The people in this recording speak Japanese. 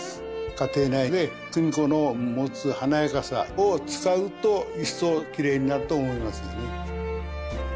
家庭内で組子の持つ華やかさを使うといっそうきれいになると思います